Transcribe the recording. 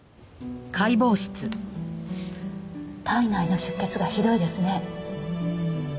体内の出血がひどいですね。